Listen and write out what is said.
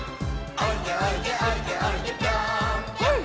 「おいでおいでおいでおいでぴょーんぴょん」